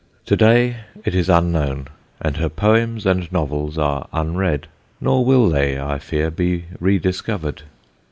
To day it is unknown, and her poems and novels are unread, nor will they, I fear, be re discovered.